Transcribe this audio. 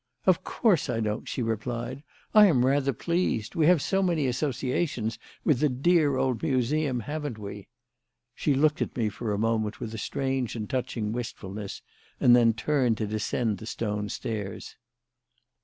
"Of course I don't," she replied. "I am rather pleased. We have so many associations with the dear old Museum, haven't we?" She looked at me for a moment with a strange and touching wistfulness and then turned to descend the stone stairs.